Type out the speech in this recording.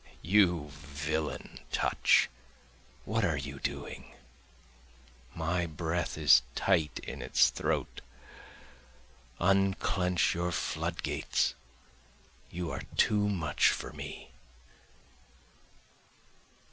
You villain touch! what are you doing? my breath is tight in its throat, Unclench your floodgates, you are too much for me.